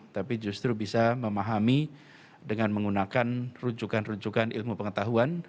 tapi justru bisa memahami dengan menggunakan rujukan rujukan ilmu pengetahuan